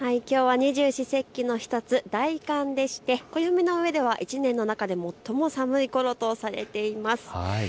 きょうは二十四節気の１つ、大寒でして暦の上では１年の中で最も寒いころとされています。